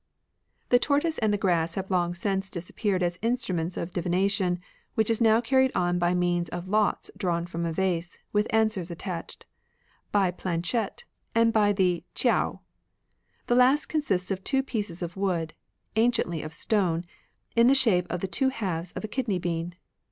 The tortoise and the grass have long since 33 c RELIGIONS OP ANCIENT CHINA disappeared as instruments of divination, which is now carried on by means of lots drawn from a vase, with answers attached ; by planchette ; and by the chicu). The last consists of two pieces of wood, anciently of stone, in the shape of the two halves of a kidney bean.